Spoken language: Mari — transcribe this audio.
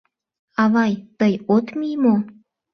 Авай, тый от мий мо?